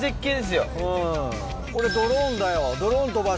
うんこれドローンだよ。